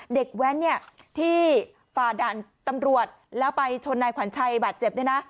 เด็กแวนที่ฝ่าดันตำรวจและไปชนที่ขวัญชัยบาดเจ็บ